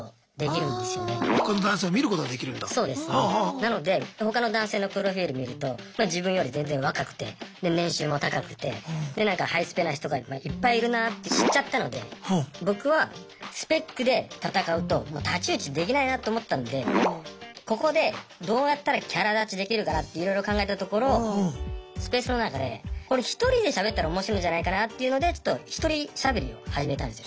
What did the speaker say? なので他の男性のプロフィール見ると自分より全然若くてで年収も高くてで何かハイスペな人がいっぱいいるなって知っちゃったので僕はスペックで戦うと太刀打ちできないなと思ったんでここでどうやったらキャラ立ちできるかなっていろいろ考えたところスペースの中でこれ１人でしゃべったらおもしろいんじゃないかなというのでちょっと「１人しゃべり」を始めたんですよ。